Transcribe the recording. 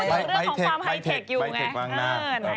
พี่ชอบแซงไหลทางอะเนาะ